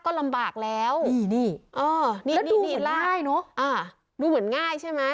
ก็ลำบากแล้วนี่นี่อ่านี่นี่ลากน็ออ่าดูเหมือนง่ายใช่ไหม